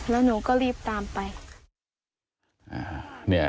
แล้วหนูก็รีบตามไป